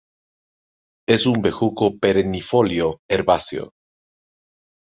Es un bejuco perennifolio herbáceo.